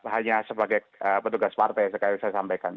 hanya sebagai petugas partai seperti yang saya sampaikan